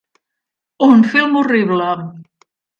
Un film horrible.